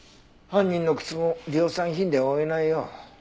犯人の靴も量産品で追えないよ。